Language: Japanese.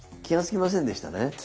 気が付きませんでしたね？